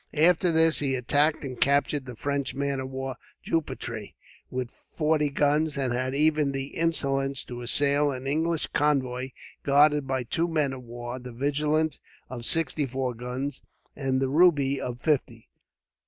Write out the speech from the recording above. After this, he attacked and captured the French man of war Jupitre, with forty guns; and had even the insolence to assail an English convoy guarded by two men of war; the Vigilant, of sixty four guns, and the Ruby, of fifty.